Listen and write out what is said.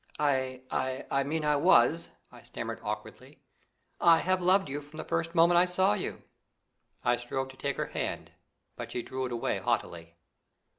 "I I mean I was!" I stammered awkwardly; "I have loved you from the first moment I saw you." I strove to take her hand; but she drew it away haughtily.